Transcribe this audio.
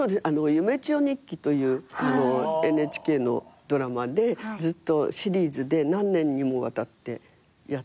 『夢千代日記』というＮＨＫのドラマでずっとシリーズで何年にもわたってやったんですね。